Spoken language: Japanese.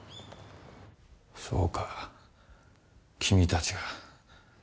そうか君たちが。